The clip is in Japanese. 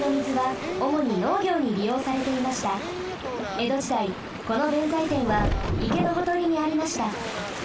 江戸時代この弁財天はいけのほとりにありました。